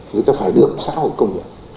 người ta phải được xã hội công nhận